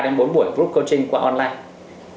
ba đến bốn buổi group coaching qua online